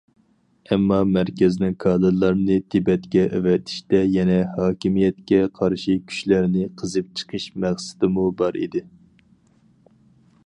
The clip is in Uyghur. ئەمما مەركەزنىڭ كادىرلارنى تىبەتكە ئەۋەتىشتە يەنە ھاكىمىيەتكە قارشى كۈچلەرنى قېزىپ چىقىش مەقسىتىمۇ بار ئىدى.